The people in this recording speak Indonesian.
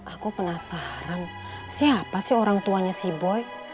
aku penasaran siapa sih orang tuanya si boy